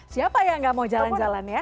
siapa yang nggak mau jalan jalan ya